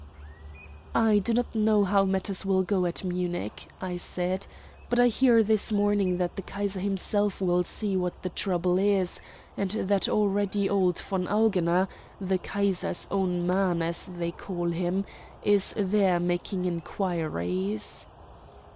"I do not know how matters will go at Munich," I said; "but I hear this morning that the Kaiser himself will see what the trouble is, and that already old von Augener the 'Kaiser's own man,' as they call him is there making inquiries."